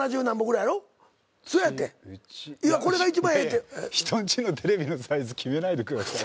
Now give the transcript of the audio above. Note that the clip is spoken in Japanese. いやいや人んちのテレビのサイズ決めないでください。